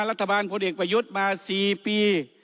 รัฐบาลพลเด็กประยุทธ์มา๔ปี